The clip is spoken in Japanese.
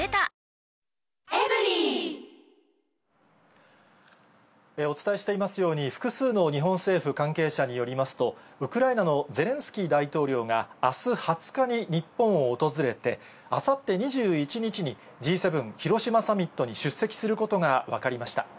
トーンアップ出たお伝えしていますように、複数の日本政府関係者によりますと、ウクライナのゼレンスキー大統領が、あす２０日に日本を訪れて、あさって２１日にＧ７広島サミットに出席することが分かりました。